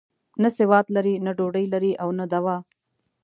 نه سواد لري، نه ډوډۍ لري او نه دوا.